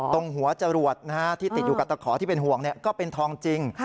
ตรงหัวจรวดที่ติดอยู่กับตะขอที่เป็นห่วงก็เป็นทองจริง